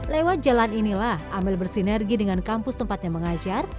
lewat jalan inilah amel bersinergi dengan kampus tempatnya mengajar